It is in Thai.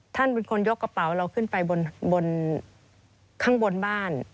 ท่านเป็นคนยกกระเป๋าเราขึ้นไปบนข้างบนบ้าน